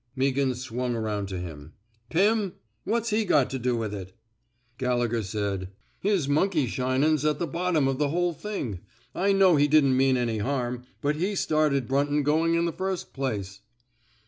*' Meaghan swung around to him. Pim? What's he got to do with it? '* Gallegher said: '* His monkey shinin's at the bottom of the whole thing. I know he didn't mean any harm, but he started Brun ton going in the first place."